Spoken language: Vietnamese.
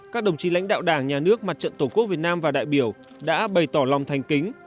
các đồng chí lãnh đạo đảng nhà nước mặt trận tổ quốc việt nam và đại biểu đã bày tỏ lòng thành kính